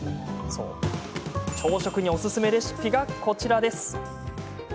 朝食におすすめレシピがこちらです。